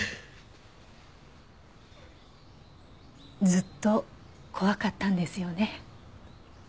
ずっと怖かったんですよね。